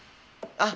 あっ！